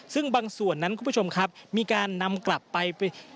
ซึ่งบางส่วนนั้นคุณผู้ชมครับมีการนำกลับไป